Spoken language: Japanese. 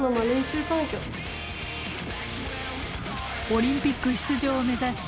オリンピック出場を目指し